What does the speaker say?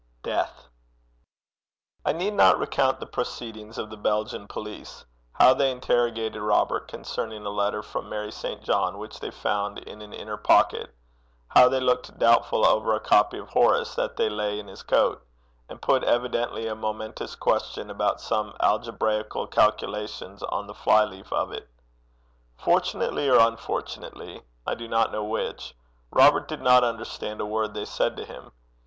DEATH. I need not recount the proceedings of the Belgian police; how they interrogated Robert concerning a letter from Mary St. John which they found in an inner pocket; how they looked doubtful over a copy of Horace that lay in his coat, and put evidently a momentous question about some algebraical calculations on the fly leaf of it. Fortunately or unfortunately I do not know which Robert did not understand a word they said to him.